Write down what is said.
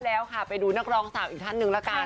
แล้วค่ะไปดูนักร้องสาวอีกท่านหนึ่งละกัน